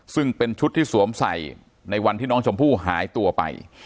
ซึ่งเป็นชุดที่สวมใส่ในวันที่น้องชมพู่หายตัวไป